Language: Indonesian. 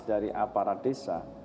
dari aparat desa